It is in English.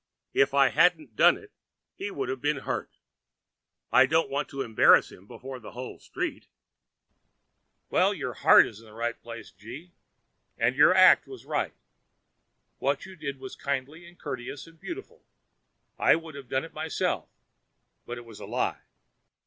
If I hadn't done it he would have been hurt. I didn't want to embarrass him before the whole street.' 'Well, your heart was right, G— , and your act was right. What you did was kindly and courteous and beautiful; I would have done it myself; but it was a lie.'